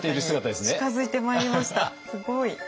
すごい。